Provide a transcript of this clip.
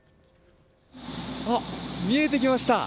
あっ、見えてきました。